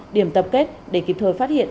điểm tập kết để kịp thời phát hiện